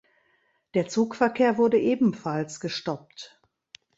Der Zugverkehr wurde ebenfalls gestoppt.